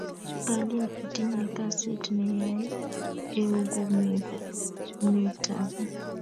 kalin itinye kasit neyain iekumetakuu